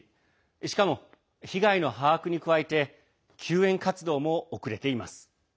しかも、被害の把握に加えて救援活動も遅れています。